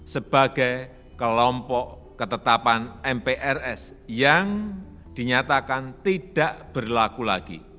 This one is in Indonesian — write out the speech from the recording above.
sebagai kelompok ketetapan mprs yang dinyatakan tidak berlaku lagi